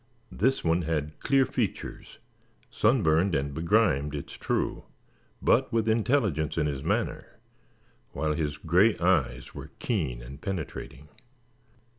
This one had clear features, sunburned and begrimed it is true, but with intelligence in his manner; while his gray eyes were keen and penetrating.